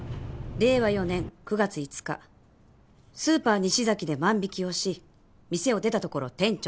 令和４年９月５日スーパー西崎で万引をし店を出たところ店長に捕まった。